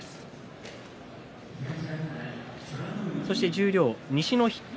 十両西の筆頭